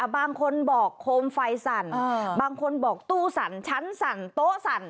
บางคนบอกโคมไฟสั่นบางคนบอกตู้สั่นชั้นสั่นโต๊ะสั่น